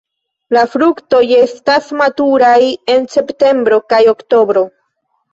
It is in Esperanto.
La fruktoj estas maturaj en septembro kaj oktobro.